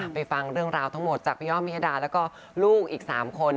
ฟังเรื่องราวทั้งหมดจากพี่อ้อมพิยดาแล้วก็ลูกอีก๓คน